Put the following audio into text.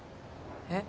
えっ？